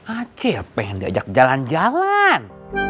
aceh pengen diajak jalan jalan